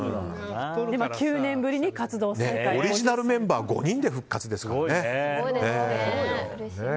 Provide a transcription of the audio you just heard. オリジナルメンバー５人で復活ですからね。